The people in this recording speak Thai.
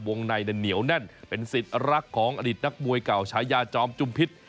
ในนั้นเหนียวแน่นเป็นสิทธิ์รักของอดีตนักมวยเก่าชายาจอมจุมพิษ